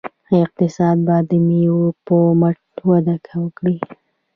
اقتصاد به د میوو په مټ وده وکړي.